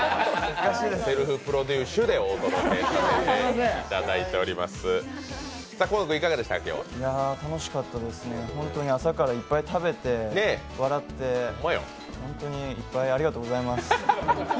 セルフプロデュー「シュ」でお届けしていただいております楽しかったです、ホントに朝からいっぱい食べて、笑って、ホントにいっぱいありがとうございます。